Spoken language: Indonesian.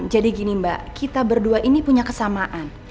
jadi gini mbak kita berdua ini punya kesamaan